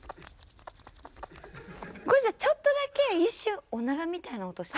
これじゃちょっとだけ一瞬おならみたいな音した。